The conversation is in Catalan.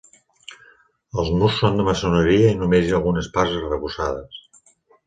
Els murs són de maçoneria i només hi ha algunes parts arrebossades.